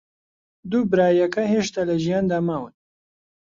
دوو برایەکە هێشتا لە ژیاندا ماون.